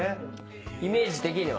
・イメージ的には。